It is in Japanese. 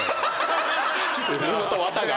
布と綿が。